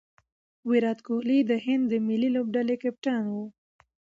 ویرات کهولي د هند د ملي لوبډلي کپتان وو.